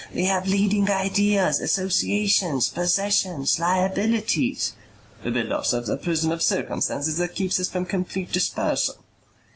We have leading ideas, associations, possessions, liabilities." "We build ourselves a prison of circumstances that keeps us from complete dispersal."